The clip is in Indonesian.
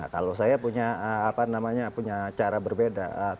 kalau saya punya cara berbeda